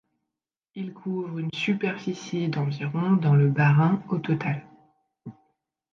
Il couvre une superficie d'environ dans le Bas-Rhin, au total.